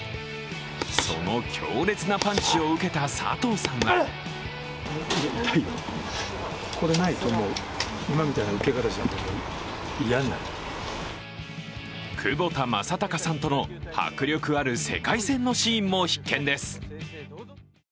その強烈なパンチを受けた佐藤さんは窪田正孝さんとの迫力ある世界戦のシーンも必見です。